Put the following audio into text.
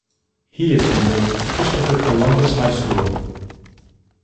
He attended Christopher Columbus High School.